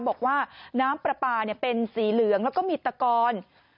บอกว่าน้ำปลาปลาเป็นสีเหลืองแล้วก็มีตะกอน